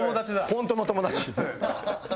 ホントの友達。